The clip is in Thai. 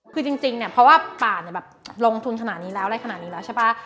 คือจริงเนี่ยเพราะว่าป่าเนี่ยแบบลงทุนขนาดนี้แล้วอะไรขนาดนี้แล้วใช่ป่ะ